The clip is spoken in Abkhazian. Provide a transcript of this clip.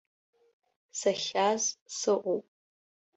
Сахьааз сыҟоуп.